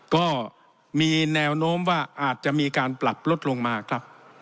ก็มีแนวโน้มว่าอาจจะมีการปรับลดลงมาครับ